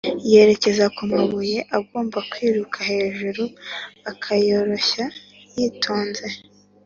yerekeza kumabuye agomba kwiruka hejuru, akayoroshya yitonze.